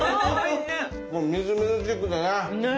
もうみずみずしくてね。ね！